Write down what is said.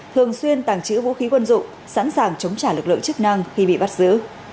thường xuyên tàng trữ vũ khí quân dụng sẵn sàng chống trả lực lượng chức năng khi bị bắt giữ